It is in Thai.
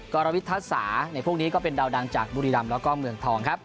กรวิทัศาในพวกนี้ก็เป็นดาวดังจากบุรีรำแล้วก็เมืองทองครับ